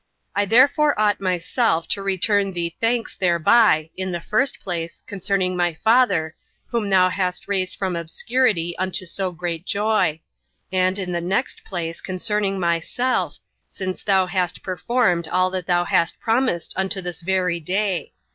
I therefore ought myself to return thee thanks thereby, in the first place, concerning my father, whom thou hast raised from obscurity unto so great joy; and, in the next place, concerning myself, since thou hast performed all that thou hast promised unto this very day.